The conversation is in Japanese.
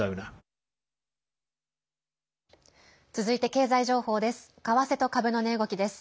続いて経済情報です。